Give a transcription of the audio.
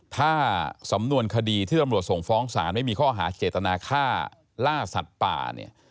ถ้าสำนวนคดีที่ตำรวจส่งฟ้องศาลไม่มีข้อหาเจตนาฆ่าล่าสัตว์ป่าเนี่ย